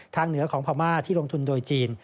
เหนือของพม่าที่ลงทุนโดยจีน